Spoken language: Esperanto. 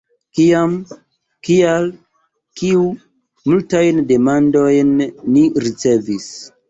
“Kiam?” “Kial?” “Kiu?” Multajn demandojn ni ricevis.